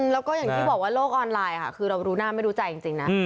แล้วก็อย่างที่บอกว่าโลกออนไลน์ค่ะคือเรารู้หน้าไม่รู้ใจจริงนะ